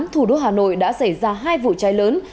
thủ đô hà nội đã xảy ra hai vụ cháy lớn